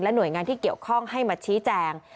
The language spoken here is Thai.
หน่วยงานที่เกี่ยวข้องให้มาชี้แจง